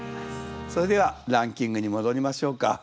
それではランキングに戻りましょうか。